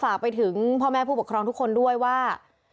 ฝากไปถึงพ่อแม่ผู้ปกครองทุกคนด้วยว่า